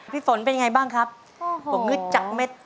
พี่ฝนเป็นยังไงบ้างครับผมงึดจากเม็ด